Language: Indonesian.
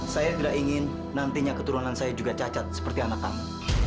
saya tidak ingin nantinya keturunan saya juga cacat seperti anak kamu